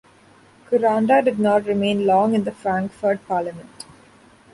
Kuranda did not remain long in the Frankfort parliament.